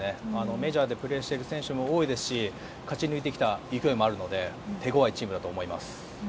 メジャーでプレーしている選手も多いですし勝ち抜いてきた勢いもあるので手ごわいチームだと思います。